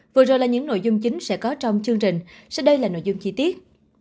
vừa rồi là những nội dung chính sẽ có trong chương trình sau đây là nội dung chi tiết